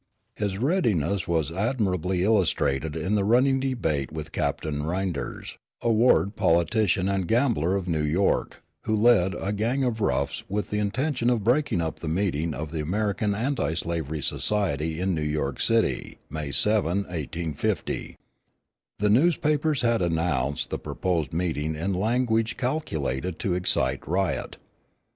His readiness was admirably illustrated in the running debate with Captain Rynders, a ward politician and gambler of New York, who led a gang of roughs with the intention of breaking up the meeting of the American Anti slavery Society in New York City, May 7, 1850. The newspapers had announced the proposed meeting in language calculated to excite riot.